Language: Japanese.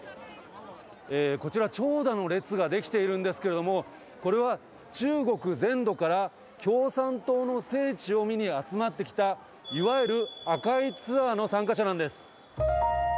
こちら、長蛇の列が出来ているんですけれども、これは中国全土から、共産党の聖地を見に集まってきた、いわゆる紅いツアーの参加者なん